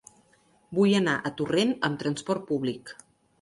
Vull anar a Torrent amb trasport públic.